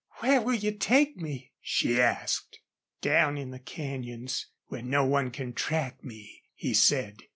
"Where will you take me?" she asked. "Down in the canyons, where no one can track me," he said.